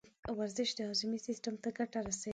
ورزش د هاضمې سیستم ته ګټه رسوي.